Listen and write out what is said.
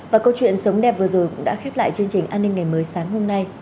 và câu chuyện sống đẹp vừa rồi cũng đã khép lại chương trình an ninh ngày mới sáng hôm nay